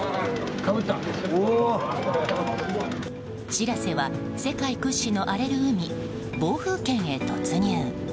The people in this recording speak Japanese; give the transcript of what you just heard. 「しらせ」は世界屈指の荒れる海暴風圏へ突入。